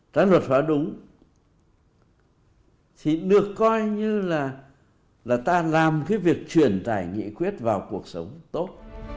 cái luật phá đúng thì được coi như là ta làm cái việc truyền tải nghị quyết vào cuộc sống tốt